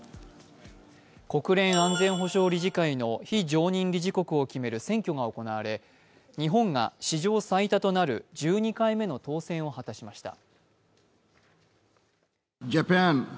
国連安全保障理事会の非常任理事国を決める選挙が行われ、日本が史上最多となる１２回目の当選を果たしました。